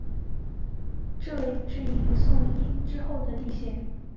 这引致后来伊阿宋乘阿格号之历险。